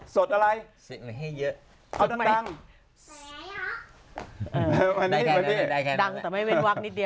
สดอะไรเท่าไหมยะฝ